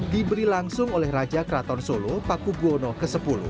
diberi langsung oleh raja kraton solo paku buwono x